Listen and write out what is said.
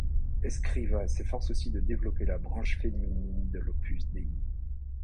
Escrivá s’efforce aussi de développer la branche féminine de l’Opus Dei.